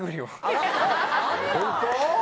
本当？